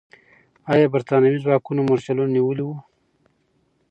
آیا برتانوي ځواکونو مرچلونه نیولي وو؟